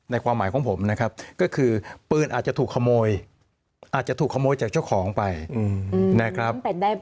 ความหมายของผมนะครับก็คือปืนอาจจะถูกขโมยอาจจะถูกขโมยจากเจ้าของไปนะครับ